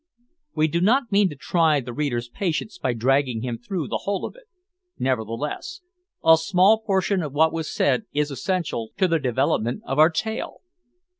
We do not mean to try the reader's patience by dragging him through the whole of it; nevertheless, a small portion of what was said is essential to the development of our tale.